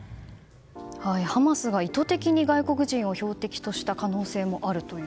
ハマスが意図的に外国人を標的とした可能性もあるという。